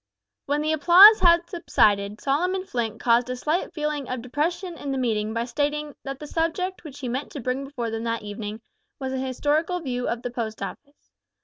When the applause had subsided Solomon Flint caused a slight feeling of depression in the meeting by stating that the subject which he meant to bring before them that evening was a historical view of the Post Office.